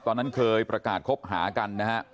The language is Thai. ตอนนั้นเคยประกาศคบหากันนะฮะ